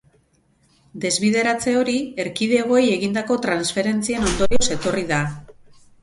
Desbideratze hori erkidegoei egindako transferentzien ondorioz etorri da.